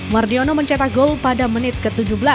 mardiono mencetak gol pada menit ke tujuh belas